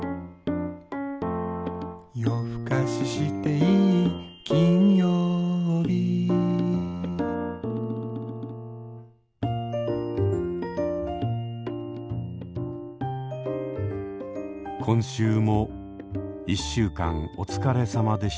「夜ふかししていい」「金ようび」今週も一週間お疲れさまでした。